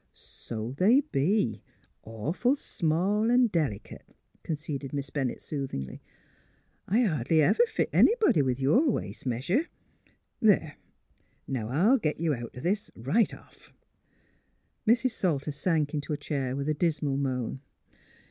*' So they be — awful small an' delicate," con ceded Miss Bennett, soothingly. " I hardly ever MALVINA POINTS A MORAL 173 fit anybody with your waist measure. There ! now I'll git you out o' this, right off." Mrs. Salter sank into a chair with a dismal moan.